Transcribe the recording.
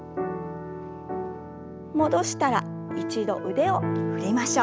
戻したら一度腕を振りましょう。